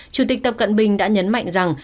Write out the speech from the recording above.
chủ tịch tập cận bình đã nhấn mạnh rằng